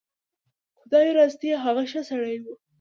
خدای راستي هغه ښه سړی و.